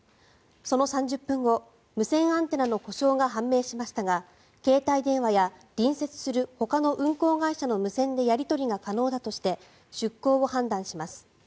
その３０分後、無線アンテナの故障が判明しましたが携帯電話や隣接するほかの運航会社の無線でやり取りが可能だとして出航を判断します。